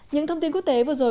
những thông tin quốc tế vừa rồi